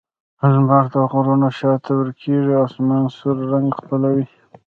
لمر د غرونو شا ته ورکېږي او آسمان سور رنګ خپلوي.